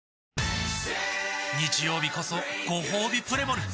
日曜日こそごほうびプレモル！